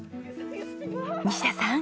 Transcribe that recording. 西田さん。